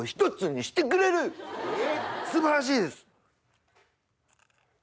素晴らしいです！